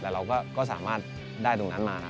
เราก็สามารถเห็นจังงั้นมา